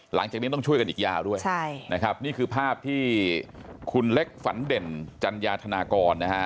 หลังจากนี้ต้องช่วยกันอีกยาวด้วยใช่นะครับนี่คือภาพที่คุณเล็กฝันเด่นจัญญาธนากรนะฮะ